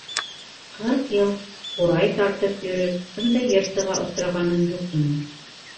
Ҡырҡ йыл ҡурай тартып йөрөп, бындай йырсыға осрағаным юҡ ине.